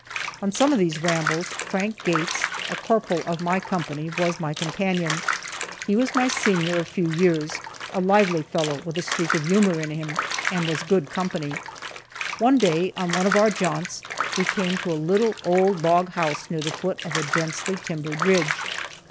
On some of these rambles, Frank Gates, a corporal of my company, was my companion. He was my senior a few years, a lively fellow, with a streak of humor in him, and was good company. One day on one of our jaunts we came to a little old log house near the foot of a densely timbered ridge.